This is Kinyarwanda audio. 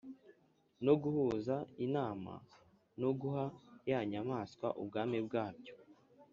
no guhuza inama no guha ya nyamaswa ubwami bwabyo,